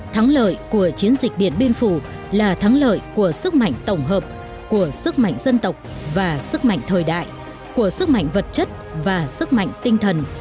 thắng lợi của chiến dịch điện biên phủ là thắng lợi của sức mạnh tổng hợp của sức mạnh dân tộc và sức mạnh thời đại của sức mạnh vật chất và sức mạnh tinh thần